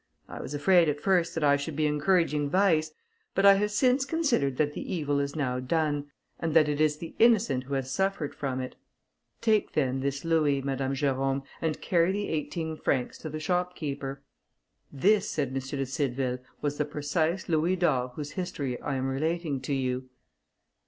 I was afraid at first that I should be encouraging vice; but I have since considered that the evil is now done, and that it is the innocent who has suffered from it. Take, then, this louis, Madame Jerôme, and carry the eighteen francs to the shopkeeper." This, said M. de Cideville, was the precise louis d'or whose history I am relating to you.